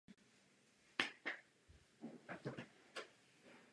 Začíná být dokumentován a také již získal pozornost médií.